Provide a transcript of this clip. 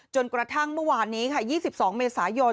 จนกระทั่งเมื่อวานนี้ค่ะ๒๒เมษายน